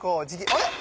あれ？